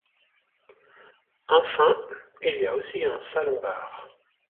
Enfin, il y a aussi un salon-bar.